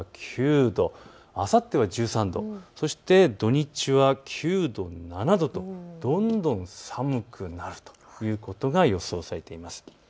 あすはきょうよりよりも寒い東京は９度、あさっては１３度そして土日は９度、７度と、どんどん寒くなるということが予想されています。